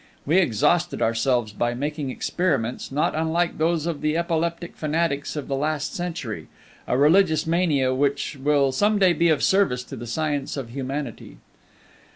We exhausted ourselves by making experiments not unlike those of the epileptic fanatics of the last century, a religious mania which will some day be of service to the science of humanity.